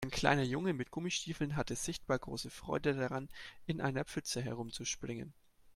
Ein kleiner Junge mit Gummistiefeln hatte sichtbar große Freude daran, in einer Pfütze herumzuspringen.